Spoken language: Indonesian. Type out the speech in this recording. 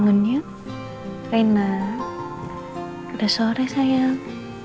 bangun bangun ya reina pada sore sayang